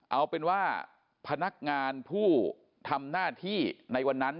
เอาเป็นว่าพนักงานผู้ทำหน้าที่ในวันนั้น